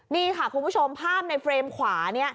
นี่ค่ะคุณผู้ชมภาพในเฟรมขวานี่